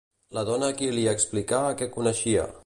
La dona a qui li explicà que coneixia?